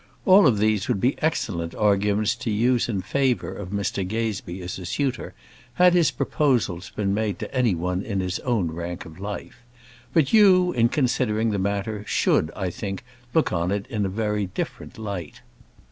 All of these would be excellent arguments to use in favour of Mr Gazebee as a suitor, had his proposals been made to any one in his own rank of life. But you, in considering the matter, should, I think, look on it in a very different light.